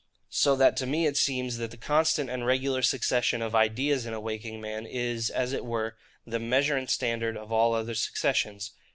So that to me it seems, that the constant and regular succession of IDEAS in a waking man, is, as it were, the measure and standard of all other successions.